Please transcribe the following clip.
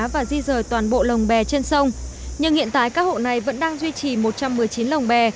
và di rời toàn bộ lồng bè trên sông nhưng hiện tại các hộ này vẫn đang duy trì một trăm một mươi chín lồng bè